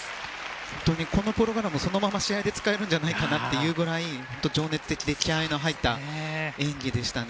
本当にこのプログラムそのまま試合に使えるんじゃないかというぐらい情熱的で気合の入った演技でしたね。